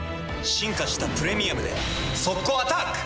進化した「プレミアム」で速攻アタック！